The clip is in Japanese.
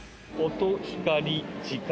音光時間。